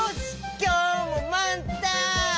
きょうもまんたん！